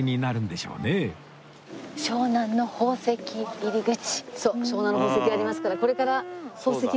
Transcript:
そう湘南の宝石ありますからこれから宝石がパッと。